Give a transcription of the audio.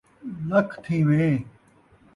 لکھ تھیویں